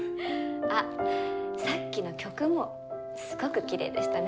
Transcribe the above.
あっさっきの曲もすごくきれいでしたね。